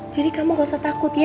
jadi kamu gak usah takut ya